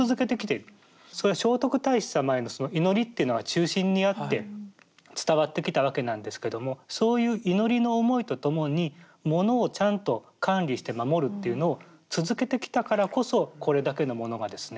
それは聖徳太子様へのその祈りっていうのが中心にあって伝わってきたわけなんですけどもそういう祈りの思いと共にものをちゃんと管理して守るっていうのを続けてきたからこそこれだけのものがですね